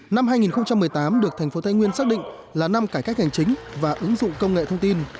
năm hai nghìn một mươi tám được thành phố thái nguyên xác định là năm cải cách hành chính và ứng dụng công nghệ thông tin